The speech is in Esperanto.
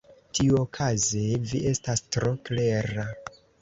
Tiuokaze, vi estas tro klera.